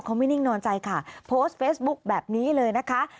เขาไม่นิ่งนอนใจค่ะโพสต์เฟซบุ๊คแบบนี้เลยนะคะ